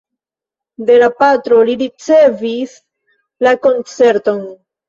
De la patro li ricevis la koncerton.